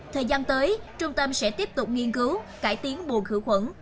thời gian tới trung tâm sẽ tiếp tục nghiên cứu cải tiến buồn khử khuẩn